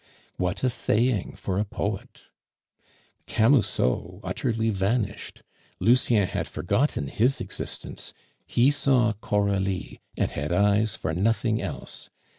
What a saying for a poet! Camusot utterly vanished, Lucien had forgotten his existence, he saw Coralie, and had eyes for nothing else.